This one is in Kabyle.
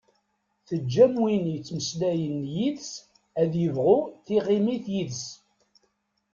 Ttaǧǧan win yettmeslayen yid-s ad yebɣu tiɣimit yid-s.